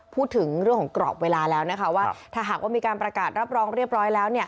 พูดถึงเรื่องของกรอบเวลาแล้วนะคะว่าถ้าหากว่ามีการประกาศรับรองเรียบร้อยแล้ว